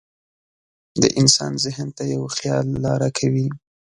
د انسان ذهن ته یو خیال لاره کوي.